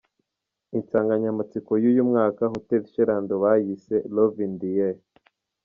Insanganyamatsiko y’uyu mwaka Hotel Chez Lando bayise’ Love in the air’.